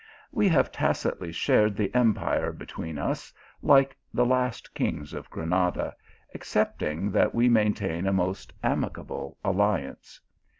We have tacitly shared the empire between us, like the last kings of Granada, excepting that we main tain a most amicable alliance.